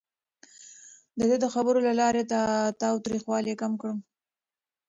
ده د خبرو له لارې تاوتريخوالی کم کړ.